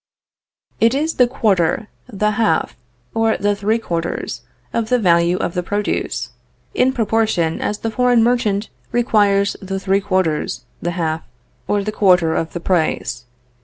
It is the quarter, the half, or the three quarters of the value of the produce, in proportion as the foreign merchant requires the three quarters, the half, or the quarter of the price.